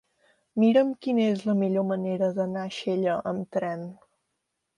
Mira'm quina és la millor manera d'anar a Xella amb tren.